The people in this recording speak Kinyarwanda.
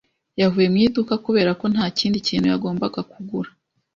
Yavuye mu iduka kubera ko nta kindi kintu yagombaga kugura.